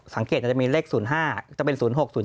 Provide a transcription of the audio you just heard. สังเกตจะมีเลข๐๕จะเป็น๐๖๐๗๐๘